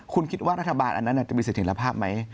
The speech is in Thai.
คุณคิดว่ารัฐบาลอันนั้นจะมีเสถียรภาพไหม